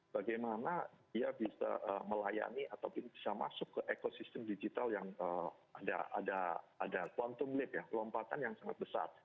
bagaimana dia bisa melayani atau bisa masuk ke ekosistem digital yang ada quantum lift ya lompatan yang sangat besar